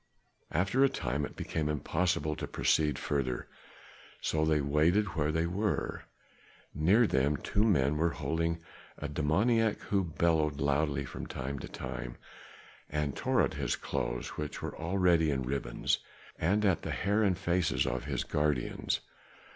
After a time it became impossible to proceed further, so they waited where they were. Near them two men were holding a demoniac, who bellowed loudly from time to time, and tore at his clothes, which were already in ribbons, and at the hair and faces of his guardians.